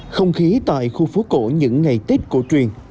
không khí tại khu phố cổ những ngày tết cổ truyền